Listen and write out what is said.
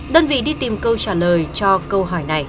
đơn vị đi tìm câu trả lời cho câu hỏi này